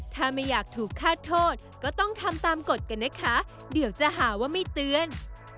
ถ้าไม่อยากถูกฆาตโทษก็ต้องทำตามกฎกันนะคะเดี๋ยวจะหาว่าไม่เตือน